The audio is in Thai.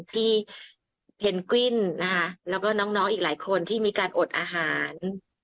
เพนกวิ้นนะคะแล้วก็น้องอีกหลายคนที่มีการอดอาหาร